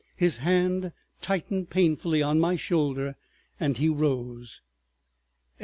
His hand tightened painfully on my shoulder and he rose. .